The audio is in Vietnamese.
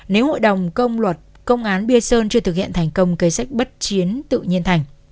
nếu hội đồng công luật công án bia sơn chưa thực hiện thành công cây sách bất chiến tự nhiên thành